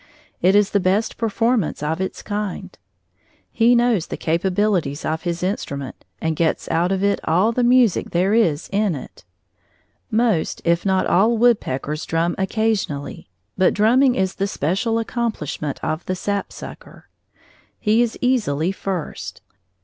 It is the best performance of its kind: he knows the capabilities of his instrument, and gets out of it all the music there is in it. Most if not all woodpeckers drum occasionally, but drumming is the special accomplishment of the sapsucker. He is easily first.